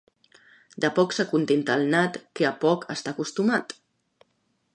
De poc s'acontenta el nat, que a poc està acostumat.